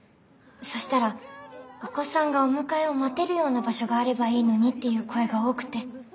そしたらお子さんがお迎えを待てるような場所があればいいのにっていう声が多くて。